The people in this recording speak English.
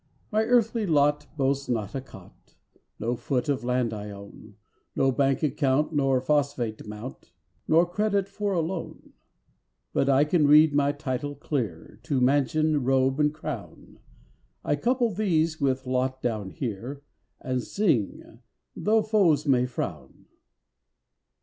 My earthly lot boasts not a cot, No foot of land I own, No bank account nor phosphate mount, Nor credit for a loan; But I can read my title clear To mansion, robe, and crown; I couple these with lot down here, And sing, tho' foes may frown.